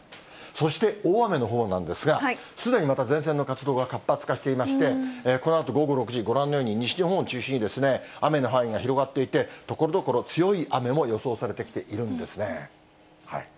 そして大雨のほうなんですが、すでにまた前線の活動が活発化していまして、このあと午後６時、ご覧のように、西日本を中心に雨の範囲が広がっていて、ところどころ、強い雨も予想されてきているんですね。